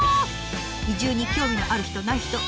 移住に興味のある人ない人みんな見て！